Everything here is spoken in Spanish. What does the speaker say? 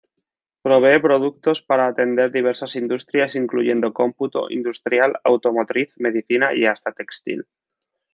Provee productos para atender diversas industrias incluyendo cómputo, industrial, automotriz, medicina y hasta textil.